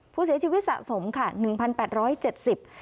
ผู้เสียชีวิตสะสมค่ะหนึ่งพันแปดร้อยเจ็ดสิบ